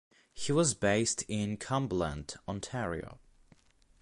He was based in Cumberland, Ontario.